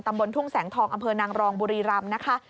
บนทุ่งแสงทองอำเภอนางรองบุรีรำนะคะ